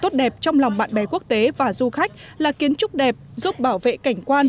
tốt đẹp trong lòng bạn bè quốc tế và du khách là kiến trúc đẹp giúp bảo vệ cảnh quan